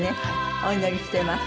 お祈りしてます。